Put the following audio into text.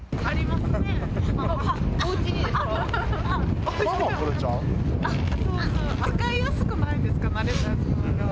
そうそう、使いやすくないですか？